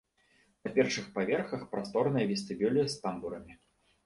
На першых паверхах прасторныя вестыбюлі з тамбурамі.